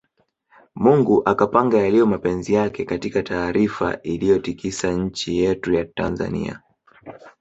Mungu akapanga yaliyo mapenzi yake Katika taarifa iliyotikisa nchi yetu ya Tanzania